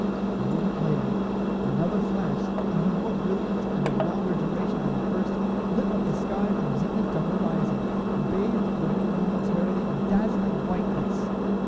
A moment later, and another flash, even more brilliant and of longer duration than the first, lit up the sky from zenith to horizon, and bathed the room momentarily in dazzling whiteness.